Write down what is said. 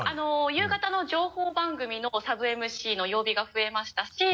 夕方の情報番組のサブＭＣの曜日が増えましたし。